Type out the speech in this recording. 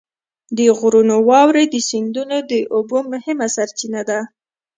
د غرونو واورې د سیندونو د اوبو مهمه سرچینه ده.